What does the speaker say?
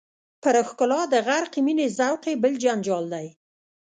پر ښکلا د غرقې مینې ذوق یې بل جنجال دی.